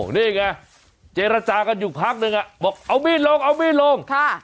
นี่ไงเจรจากันอยู่พักนึงบอกเอามีดลงเอามีดลง